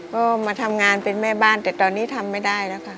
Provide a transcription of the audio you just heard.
ก็มาทำงานเป็นแม่บ้านแต่ตอนนี้ทำไม่ได้แล้วค่ะ